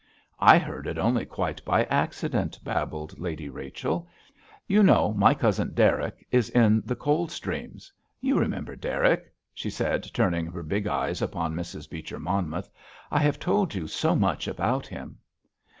"I heard it only quite by accident," babbled Lady Rachel. "You know my cousin, Derrick, is in the Coldstreams; you remember Derrick?" she said, turning her big eyes upon Mrs. Beecher Monmouth, "I have told you so much about him."